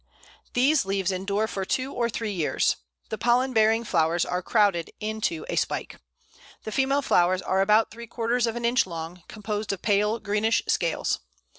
These leaves endure for two or three years. The pollen bearing flowers are crowded into a spike. The female flowers are about three quarters of an inch long, composed of pale greenish scales.